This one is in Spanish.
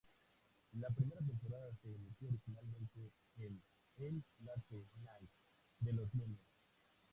La primera temporada se emitió originalmente en el late night de los lunes.